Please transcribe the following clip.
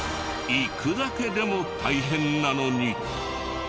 行くだけでも大変なのに。